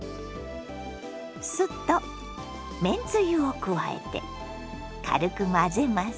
酢とめんつゆを加えて軽く混ぜます。